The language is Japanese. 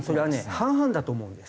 半々だと思うんです。